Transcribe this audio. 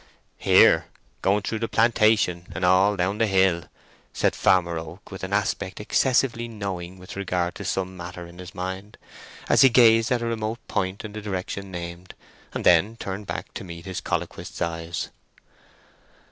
"Here—going through the plantation, and all down the hill," said Farmer Oak, with an aspect excessively knowing with regard to some matter in his mind, as he gazed at a remote point in the direction named, and then turned back to meet his colloquist's eyes.